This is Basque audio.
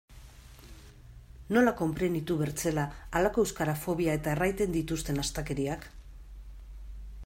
Nola konprenitu bertzela halako euskarafobia eta erraiten dituzten astakeriak?